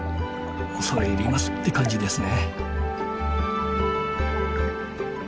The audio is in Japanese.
恐れ入りますって感じですね。